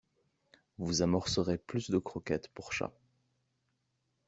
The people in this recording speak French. Vous amorcerez plus de croquettes pour chats.